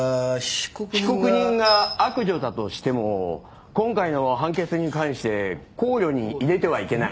被告人が悪女だとしても今回の判決に関して考慮に入れてはいけない。